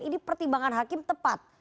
ini pertimbangan hakim tepat